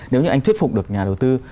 nếu như anh thuyết phục được nhà đầu tư